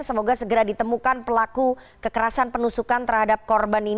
semoga segera ditemukan pelaku kekerasan penusukan terhadap korban